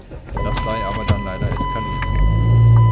Das sei aber dann leider eskaliert.